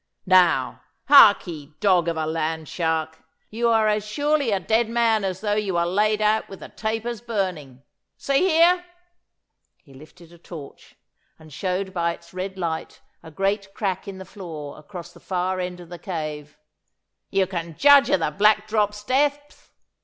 Now, hark ye, dog of a land shark; you are as surely a dead man as though you were laid out with the tapers burning. See here' he lifted a torch, and showed by its red light a great crack in the floor across the far end of the cave 'you can judge of the Black Drop's depth!